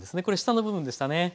これ下の部分でしたね。